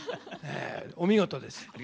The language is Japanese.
お見事です。